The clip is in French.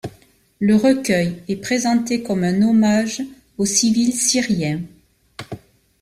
Le recueil est présenté comme un hommage aux civils syriens.